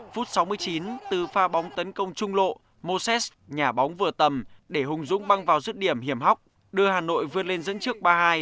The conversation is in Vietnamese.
phút sáu mươi chín từ pha bóng tấn công trung lộ moses nhà bóng vừa tầm để hùng dũng băng vào dứt điểm hiểm hóc đưa hà nội vươn lên dẫn trước ba hai